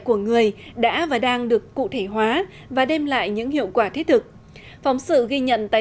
của người đã và đang được cụ thể hóa và đem lại những hiệu quả thiết thực phóng sự ghi nhận tại